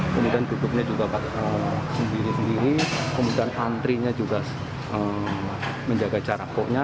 kemudian duduknya juga sendiri sendiri kemudian antrinya juga menjaga jarak